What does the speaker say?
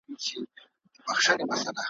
چي آزاد وطن ته ستون سم زما لحد پر کندهار کې ,